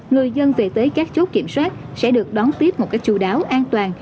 người dân về tới các chốt kiểm soát sẽ được đón tiếp một cách chú đáo an toàn